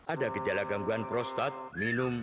ada gejala gangguan prostat minum